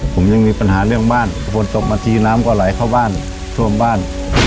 ผมยังมีปัญหาเรื่องบ้านฝนตกมาทีน้ำก็ไหลเข้าบ้านท่วมบ้าน